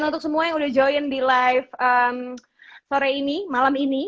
dan untuk semua yang udah join di live sore ini malam ini